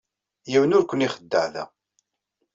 Yiwen ur ken-ixeddeɛ da.